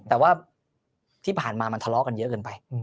แต่ว่าที่ผ่านมามันทะเลาะกันเยอะเกินไป